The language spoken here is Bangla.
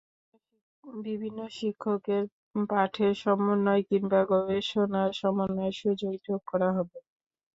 বিভিন্ন শিক্ষকের পাঠের সমন্বয় কিংবা গবেষণার সমন্বয়ের সুযোগ যোগ করা হবে।